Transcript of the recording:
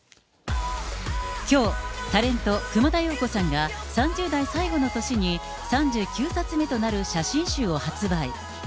きょう、タレント、熊田曜子さんが、３０代最後の年に３９冊目となる写真集を発売。